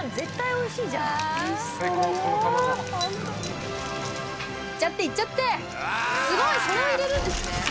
おいしそうだよ。いっちゃっていっちゃってすごいそれを入れるんですね。